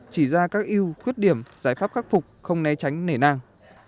chỉ ra các yêu khuyết điểm giải pháp khắc phục không né tránh nể nàng